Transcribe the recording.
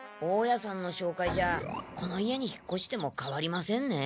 大家さんのしょうかいじゃこの家に引っこしてもかわりませんね。